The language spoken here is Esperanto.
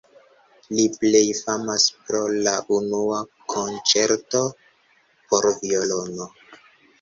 Li plej famas pro la unua konĉerto por violono.